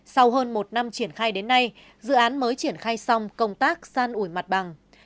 sau hơn một năm triển khai đến nay dự án mới triển khai xong công tác san ủi mặt bằng